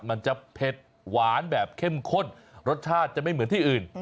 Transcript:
มันจะเผ็ดหวานแบบเข้มข้นรสชาติจะไม่เหมือนที่อื่น